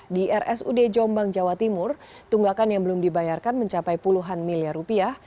di rsud jombang jawa timur tunggakan yang belum dibayarkan mencapai puluhan miliar rupiah